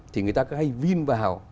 thì người ta cứ hay viêm vào